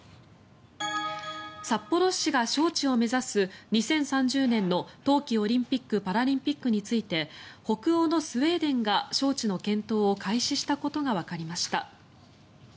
札幌市が招致を目指す２０３０年の冬季オリンピック・パラリンピックについて北欧のスウェーデンが招致の検討を開始したことがわかりました。